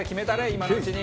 今のうちに。